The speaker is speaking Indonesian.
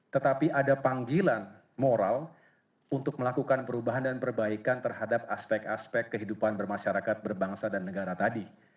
tetapi ada panggilan moral untuk melakukan perubahan dan perbaikan terhadap aspek aspek kehidupan bermasyarakat berbangsa dan negara tadi